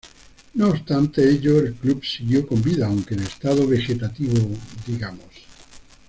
No obstante ello el club siguió con vida, aunque en estado vegetativo digamos.